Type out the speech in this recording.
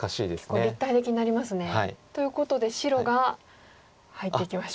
結構立体的になりますね。ということで白が入っていきました。